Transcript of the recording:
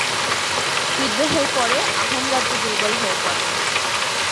বিদ্রোহের পরে আহোম রাজ্য দুর্বল হয়ে পড়ে।